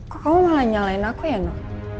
kok kamu malah nyalain aku ya nok